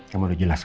kamu udah jelaskan